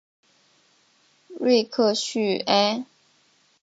瑞克叙埃。